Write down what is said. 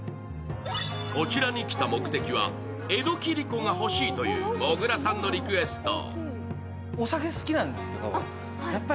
こちらに来た目的は江戸切子が欲しいというもぐらさんのリクエスト。